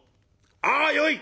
「ああよい！